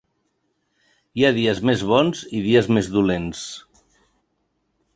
Hi ha dies més bons i dies més dolents.